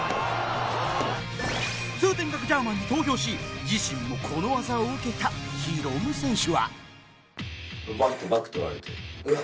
通天閣ジャーマンに投票し自身もこの技を受けたヒロム選手はバッてバック取られてうわ